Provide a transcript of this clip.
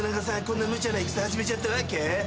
こんな無茶な戦始めちゃったわけ？